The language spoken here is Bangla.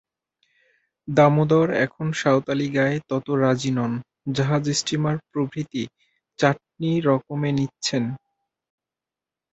দামোদর এখন সাঁওতালি গাঁয়ে তত রাজী নন, জাহাজ-ষ্টীমার প্রভৃতি চাটনি রকমে নিচ্চেন।